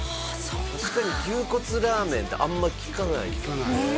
確かに牛骨ラーメンってあんま聞かないですよね